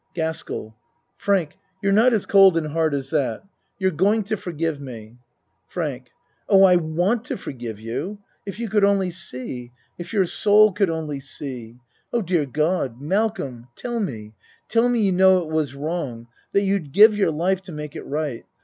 GASKELL Frank, you're not as cold and hard as that. You're going to forgive me. FRANK Oh, I want to forgive you. If you could only see. If your soul could only see. Oh, dear God! Malcolm, tell me, tell me you know it was wrong that you'd give your life to make it right.